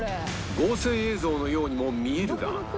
合成映像のようにも見えるが